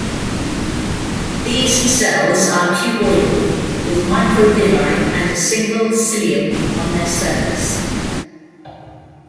These cells are cuboidal, with microvilli and a single cilium on their surface.